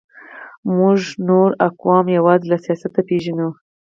موږ نور اقوام یوازې له سیاست پېژنو.